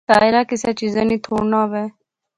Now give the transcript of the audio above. ساحرہ کسے چیزا نی تھوڑ نہ وہے